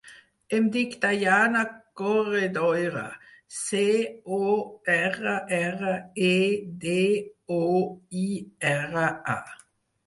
Em dic Dayana Corredoira: ce, o, erra, erra, e, de, o, i, erra, a.